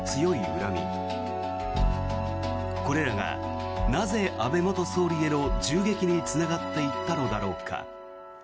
恨みこれらがなぜ安倍元総理への銃撃につながっていったのだろうか。